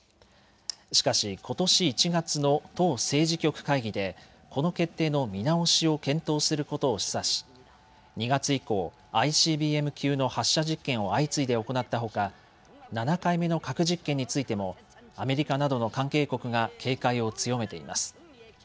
しかし、ことし１月の党政治局会議でこの決定の見直しを検討することを示唆し２月以降、ＩＣＢＭ級の発射実験を相次いで行ったほか７回目の核実験についてもアメリカなどの関係国が警戒を強めています。